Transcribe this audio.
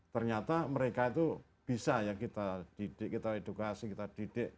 ternyata mereka itu bisa ya kita didik kita edukasi kita didik